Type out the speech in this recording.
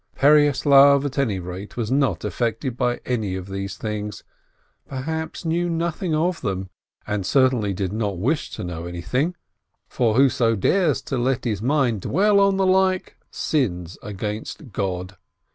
Pereyaslav at any rate was not affected by any of these things, perhaps knew nothing of them, and certainly did not wish to know anything, for whoso dares to let his WOMEN 453 mind dwell on the like, sins against God.